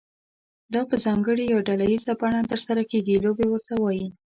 دا په ځانګړې یا ډله ییزه بڼه ترسره کیږي لوبې ورته وایي.